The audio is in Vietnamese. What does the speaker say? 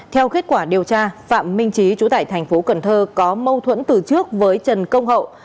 theo kết quả điều tra phạm minh trí chú tại tp cn có mâu thuẫn từ trước với trần công hậu